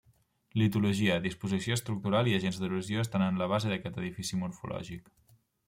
Litologia, disposició estructural i agents d'erosió estan en la base d'aquest edifici morfològic.